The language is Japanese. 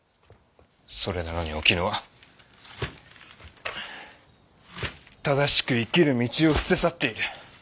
それなのにおきぬは正しく生きる道を捨て去っている。